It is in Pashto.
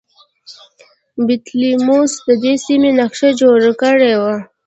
بطلیموس د دې سیمې نقشه جوړه کړې وه